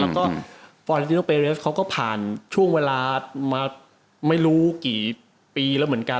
แล้วก็ฟอร์ลิจิโนเปเรสเขาก็ผ่านช่วงเวลามาไม่รู้กี่ปีแล้วเหมือนกัน